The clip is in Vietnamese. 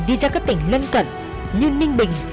đi ra các tỉnh lân cận như ninh bình